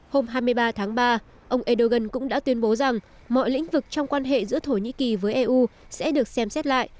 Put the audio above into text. hôm hai mươi ba tháng ba ông erdogan cũng đã tuyên bố rằng mọi lĩnh vực trong quan hệ giữa thổ nhĩ kỳ với eu sẽ được xem xét lại